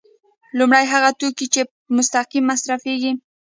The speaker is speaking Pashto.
لومړی هغه توکي دي چې مستقیم مصرفیږي.